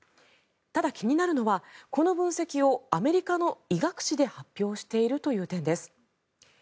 ただ、気になるのはこの分析をアメリカの医学誌で発表しているという点です。